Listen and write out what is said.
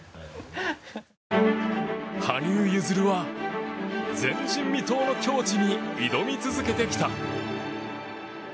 羽生結弦は前人未到の境地に挑み続けてきた。